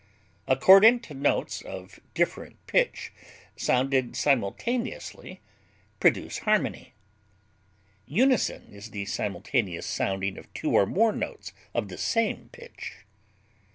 Accordant notes of different pitch sounded simultaneously produce harmony; unison is the simultaneous sounding of two or more notes of the same pitch.